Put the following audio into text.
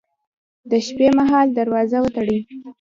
د شپې مهال دروازه وتړئ